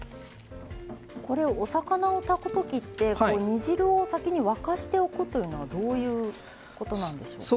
お魚を炊くときって煮汁を先に沸かしておくというのはどういうことなんでしょうか？